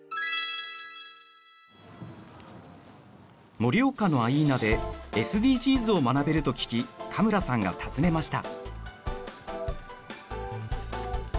盛岡のアイーナでＳＤＧｓを学べると聞き加村さんが訪ねました。